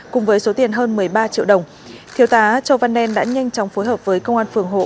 cùng với số tiền hơn một mươi ba triệu đồng